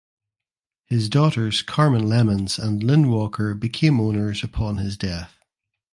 His daughters Carmen Lemons and Lynn Walker became owners upon his death.